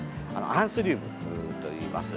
アンスリウムといいます。